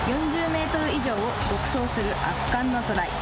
４０メートル以上を独走する圧巻のトライ。